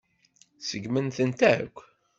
Tseggmem-tent akk.